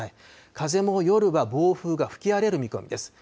風も夜は暴風が吹き荒れる見込みです。